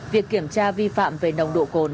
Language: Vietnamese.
việc kiểm tra vi phạm về nồng độ cồn